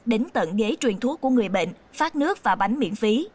đến tận ghế truyền thuốc của người bệnh phát nước và bánh miễn phí